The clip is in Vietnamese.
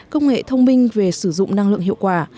công nghệ thông minh về sử dụng năng lượng hiệu quả